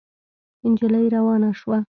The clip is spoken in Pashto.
نجلۍ روانه شوه.